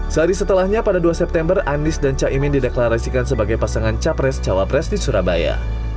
sehari setelahnya pada dua september anies dan caimin dideklarasikan sebagai pasangan capres cawapres di surabaya